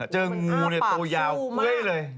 เจองูในตัวยาวเก้ยเลยมันอ้าปากสู้มาก